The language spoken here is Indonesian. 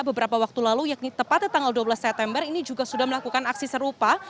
beberapa waktu lalu yakni tepatnya tanggal dua belas september ini juga sudah melakukan aksi serupa